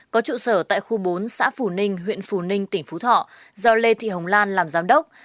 có trụ sở tại khu bốn xã phù ninh huyện phù ninh tỉnh phú thọ do lê thị hồng lan làm giám đốc